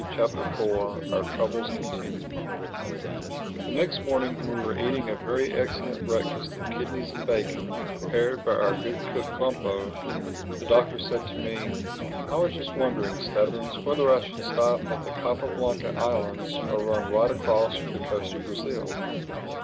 THE FOURTH CHAPTER OUR TROUBLES CONTINUE THE next morning when we were eating a very excellent breakfast of kidneys and bacon, prepared by our good cook Bumpo, the Doctor said to me, "I was just wondering, Stubbins, whether I should stop at the Capa Blanca Islands or run right across for the coast of Brazil.